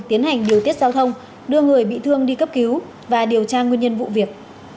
tiến hành điều tiết giao thông đưa người bị thương đi cấp cứu và điều tra nguyên nhân vụ việc